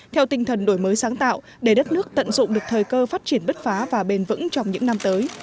theo tinh thần đổi mới sáng tạo để đất nước tận dụng được thời cơ phát triển bất phá và bền vững trong những năm tới